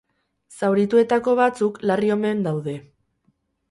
Zaurituetako batzuk larri omen daude.